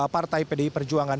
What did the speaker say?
partai pdi perjuangan